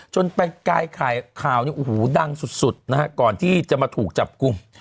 จนเป็นกายขายข่าวเนี่ยโอ้โหดังสุดนะฮะก่อนที่จะมาถูกจับกุ่ม